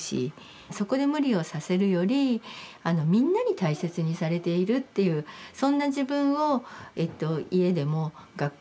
そこで無理をさせるより「みんなに大切にされている」っていうそんな自分をえっと家でも学校でも